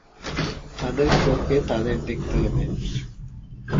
তাদের চোখে তাদের দেখতে হবে।